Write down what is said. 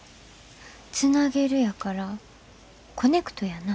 つなげるやからコネクトやな。